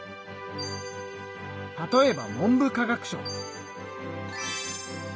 例えば文部科学省。